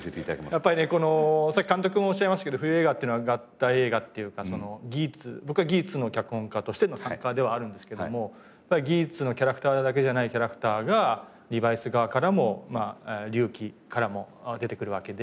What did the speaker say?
やっぱりねこのさっき監督もおっしゃいましたけど冬映画っていうのは合体映画っていうか『ギーツ』僕は『ギーツ』の脚本家としての参加ではあるんですけども『ギーツ』のキャラクターだけじゃないキャラクターが『リバイス』側からも『龍騎』からも出てくるわけで。